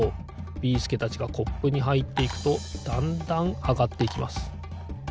ビーすけたちがコップにはいっていくとだんだんあがっていきます。